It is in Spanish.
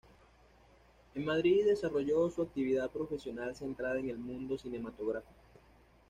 En Madrid desarrolló su actividad profesional centrada en el mundo cinematográfico.